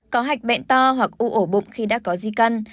có hạch bẹn to hoặc u ổ bụng khi đã có di căn